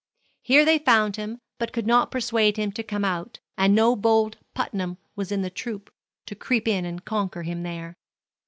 Here they found him, but could not persuade him to come out, and no bold Putnam was in the troop, to creep in and conquer him there.